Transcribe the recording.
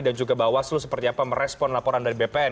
dan juga bahwa seluruh seperti apa merespon laporan dari bpn